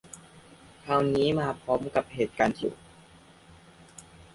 ที่คราวนี้มาพร้อมกับเหตุการณ์ที่อยู่